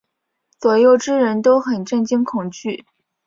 左右之人都很震惊恐惧。